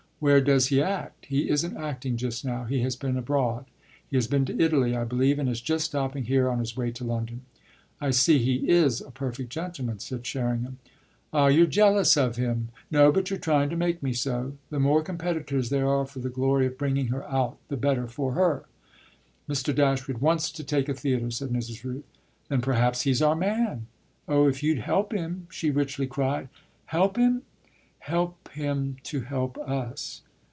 "Where does he act?" "He isn't acting just now; he has been abroad. He has been to Italy, I believe, and is just stopping here on his way to London." "I see; he is a perfect gentleman," said Sherringham. "Ah you're jealous of him!" "No, but you're trying to make me so. The more competitors there are for the glory of bringing her out the better for her." "Mr. Dashwood wants to take a theatre," said Mrs. Rooth. "Then perhaps he's our man." "Oh if you'd help him!" she richly cried. "Help him?" "Help him to help us."